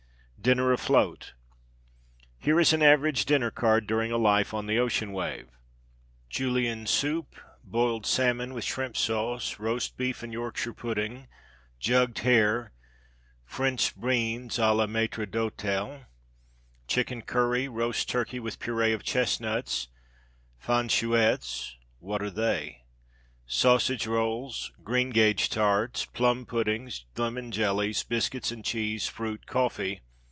Dinner Afloat. Here is an average dinner card during a life on the ocean wave: Julienne soup, boiled salmon with shrimp sauce, roast beef and Yorkshire pudding, jugged hare, French beans à la Maître d'Hôtel, chicken curry, roast turkey with purée of chestnuts, fanchouettes (what are they?), sausage rolls, greengage tarts, plum puddings, lemon jellies, biscuits and cheese, fruit, coffee.